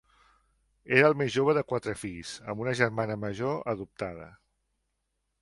Era el més jove de quatre fills, amb una germana major adoptada.